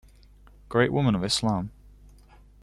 "Great Women of Islam".